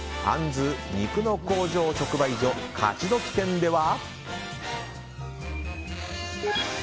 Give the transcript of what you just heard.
あんずお肉の工場直売所勝どき店では。